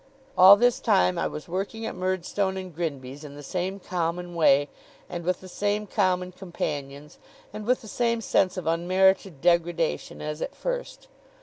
All this time I was working at Murdstone and Grinby's in the same common way, and with the same common companions, and with the same sense of unmerited degradation as at first.